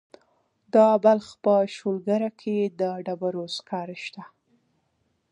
د بلخ په شولګره کې د ډبرو سکاره شته.